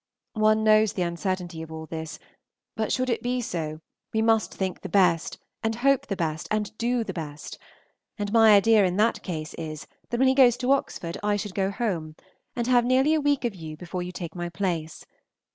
One knows the uncertainty of all this; but should it be so, we must think the best, and hope the best, and do the best; and my idea in that case is, that when he goes to Oxford I should go home, and have nearly a week of you before you take my place.